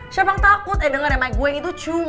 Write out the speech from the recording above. siapa yang takut eh denger ya mike gue itu cuma